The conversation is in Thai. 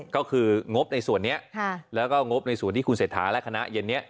ก็คืองบในส่วนนี้แล้วก็งบในส่วนที่คุณเศรษฐาและคณะเย็นนี้